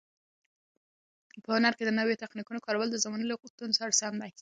په هنر کې د نویو تخنیکونو کارول د زمانې له غوښتنو سره سم دي.